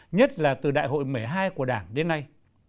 nhất là từ đại hội một mươi hai của đảng đến nay